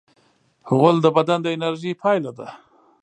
غول د بدن د انرژۍ پایله ده.